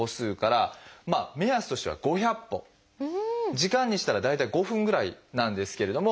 時間にしたら大体５分ぐらいなんですけれども。